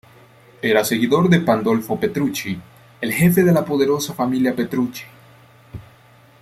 Era seguidor de Pandolfo Petrucci, el jefe de la poderosa familia Petrucci.